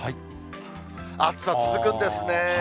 暑さ続くんですね。